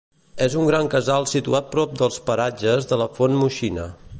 És un gran casal situat prop dels paratges de la Font Moixina.